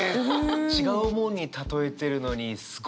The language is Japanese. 違うもんに例えてるのにすごい分かりますね。